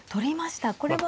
これは。